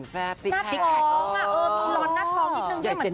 ผิดรอนหน้าท้องนิดนึงใช่ไหมกัน